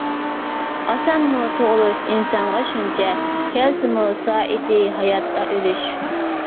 ئاسانمۇ تۇغۇلۇش ئىنسانغا شۇنچە، كەلسىمۇ سائىتى ھاياتتا ئۆلۈش.